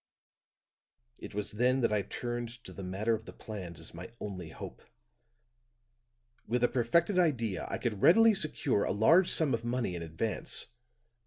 "It was then that I turned to the matter of the plans as my only hope; with a perfected idea I could readily secure a large sum of money in advance.